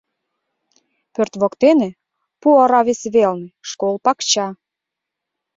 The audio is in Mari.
Пӧрт воктене, пу ора вес велне, — школ пакча.